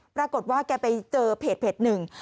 ปรากฏว่าแกไปเจอเพจหนึ่ง